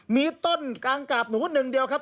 มีต้นกางกาบหนูหนึ่งเดียวครับ